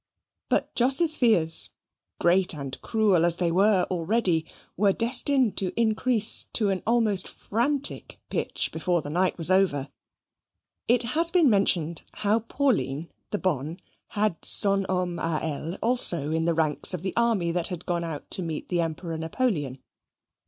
But Jos's fears, great and cruel as they were already, were destined to increase to an almost frantic pitch before the night was over. It has been mentioned how Pauline, the bonne, had son homme a elle also in the ranks of the army that had gone out to meet the Emperor Napoleon.